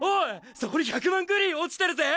そこに１００万グリー落ちてるぜ！